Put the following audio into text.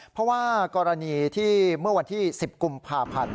เพราะว่ากรณีที่เมื่อวันที่๑๐กุมภาพันธ์